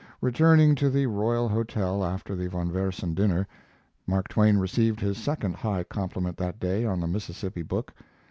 Returning to the Royal Hotel after the Von Versen dinner, Mark Twain received his second high compliment that day on the Mississippi book.